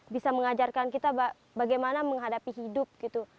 bisa mengajarkan kita bagaimana menghadapi hidup gitu